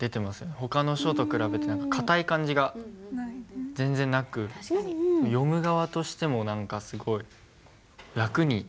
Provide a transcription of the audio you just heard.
ほかの書と比べて硬い感じが全然なく読む側としてもすごい楽に見れるなと。